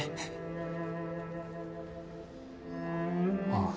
ああ。